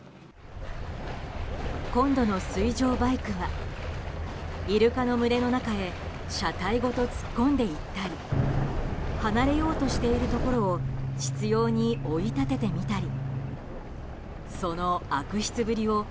今度の水上バイクはイルカの群れの中へ車体ごと突っ込んでいったり離れようとしているところを執拗に追い立ててみたり。